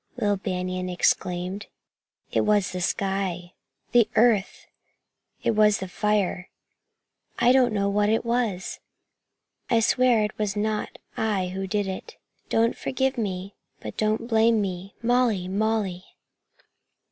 Will Banion exclaimed. "It was the sky, the earth! It was the fire! I don't know what it was! I swear it was not I who did it! Don't forgive me, but don't blame me. Molly! Molly!